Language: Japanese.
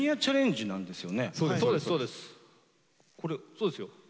そうですよ。